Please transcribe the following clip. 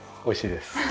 おいしいです。